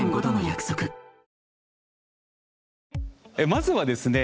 まずはですね